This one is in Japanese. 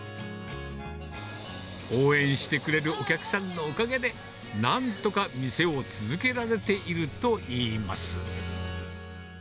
応援してくれるお客さんのおかげで、なんとか店を続けられているといいます。